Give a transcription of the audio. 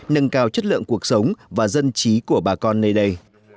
nâng cao chất lượng cuộc sống và dân trí của bà con nơi đây